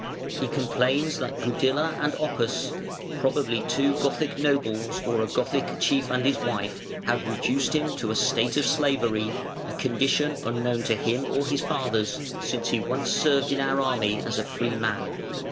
"He complains that Gudila and Oppas (probably two Gothic nobles or a Gothic chief and his wife) have reduced him to a state of slavery, a condition unknown to him or his fathers, since he once served in our army as a free man.